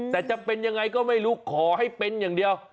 แต่จะเป็นยังไงก็ไม่รู้ขอให้เป็นอย่างเดียว